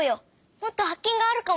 もっとはっけんがあるかも！